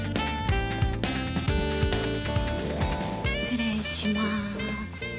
失礼します。